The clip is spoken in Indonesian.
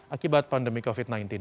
akibat pandemi covid sembilan belas